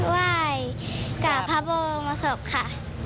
ไหว้กับพระบรมศพค่ะ